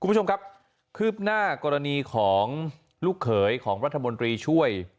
คุณผู้ชมครับคืบหน้ากรณีของลูกเขยของรัฐมนตรีช่วย